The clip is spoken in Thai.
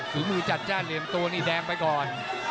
เตรียมตัวนี้แดงไปก่อน